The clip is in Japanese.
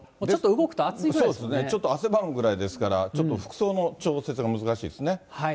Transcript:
そうですね、ちょっと汗ばむくらいですから、ちょっと服装の調節が難しいです